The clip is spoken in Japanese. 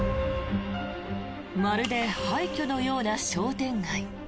まるで廃虚のような商店街。